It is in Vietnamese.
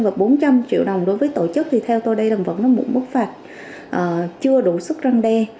và bốn trăm linh triệu đồng đối với tổ chức thì theo tôi đây là vẫn là một mức phạt chưa đủ sức răng đe